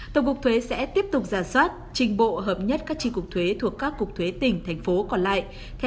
tổng cục thuế sẽ tiếp tục giả soát trình bộ hợp nhất các tri cục thuế thuộc các cục thuế tỉnh thành phố còn lại